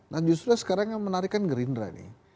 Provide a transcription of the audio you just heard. nah justru sekarang yang menarikan gerindra nih